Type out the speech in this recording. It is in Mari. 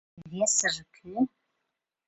Весыже кӧ?